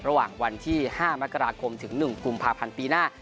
ระหว่างวันที่๕มกราคมถึง๑กุมภาพันธ์ปีหน้า